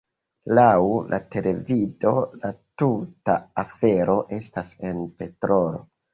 Laŭ la televido la tuta afero estas en petrolo.